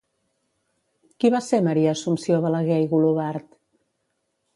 Qui va ser Maria Assumpció Balaguer i Golobart?